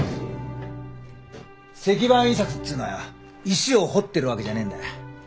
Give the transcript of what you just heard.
石版印刷っつうのは石を彫ってるわけじゃねえんだ。